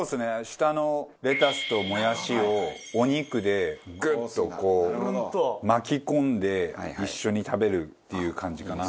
下のレタスともやしをお肉でグッとこう巻き込んで一緒に食べるっていう感じかな。